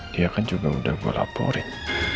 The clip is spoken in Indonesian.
dia kan juga udah gue laporin